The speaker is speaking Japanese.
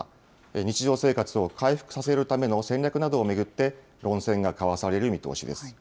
日常生活を回復させるための戦略などを巡って、論戦が交わされる見通しです。